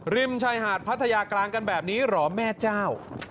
ริมชายหาดพัทยากลางกันแบบนี้เหรอแม่เจ้า